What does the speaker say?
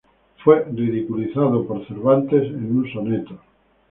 Fue llevado al ridículo por Cervantes en un soneto.